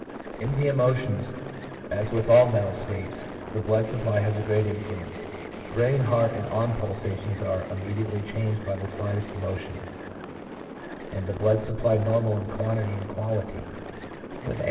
In the emotions, as with all mental states, the blood supply has a great influence. Brain, heart, and arm pulsations are immediately changed by the slightest emotion; 2 and a blood supply normal in quantity and quality, with ample provision for a 1 H.